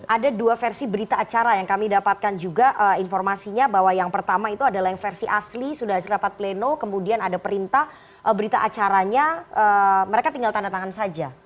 ada dua versi berita acara yang kami dapatkan juga informasinya bahwa yang pertama itu adalah yang versi asli sudah rapat pleno kemudian ada perintah berita acaranya mereka tinggal tanda tangan saja